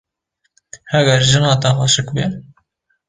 Heger jina te xweşik be.